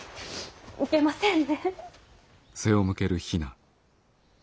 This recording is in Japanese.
いけませんね。